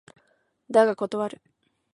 だが断る